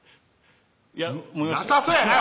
いやなさそやな！